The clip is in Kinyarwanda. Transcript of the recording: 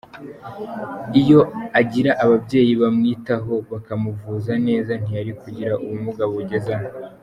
Iyo agira ababyeyi bamwitaho bakamuvuza neza ntiyari kugira ubumuga bugeze aha”.